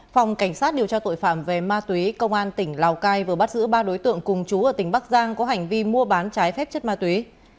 phòng cảnh sát điều tra tội phạm về ma túy công an tỉnh lào cai vừa bắt giữ ba đối tượng cùng chú ở tỉnh bắc giang có hành vi mua bán trái phép chất ma túy